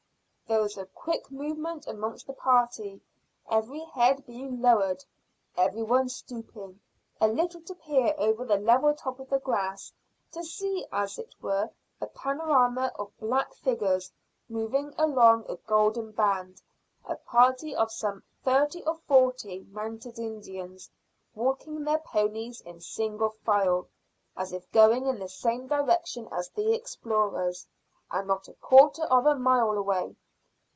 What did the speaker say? There was a quick movement amongst the party, every head being lowered every one stooping a little to peer over the level top of the grass, to see as it were a panorama of black figures moving along a golden band, a party of some thirty or forty mounted Indians walking their ponies in single file, as if going in the same direction as the explorers, and not a quarter of a mile away.